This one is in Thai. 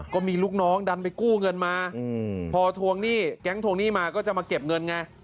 ก็มีลูกน้องดันไปกู้เงินมาพอทวงหนี้แก๊งทวงหนี้มาก็จะมาเก็บเงินไง